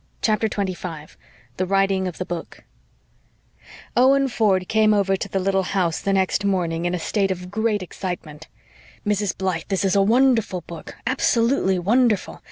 CHAPTER 25 THE WRITING OF THE BOOK Owen Ford came over to the little house the next morning in a state of great excitement. "Mrs. Blythe, this is a wonderful book absolutely wonderful.